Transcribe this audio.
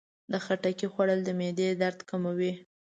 د خټکي خوړل د معدې درد کموي.